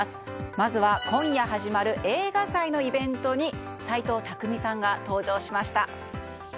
まずは今夜始まる映画祭のイベントに齊藤工さんが登場しました。